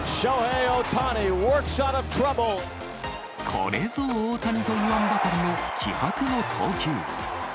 これぞ大谷といわんばかりの気迫の投球。